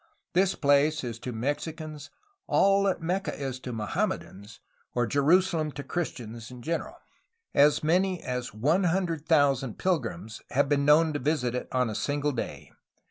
This place is to Mexicans all that Mecca is to Mohammedans, or Jerusalem to Christians in general. As many as 100,000 pilgrims have been known to visit it on a single day.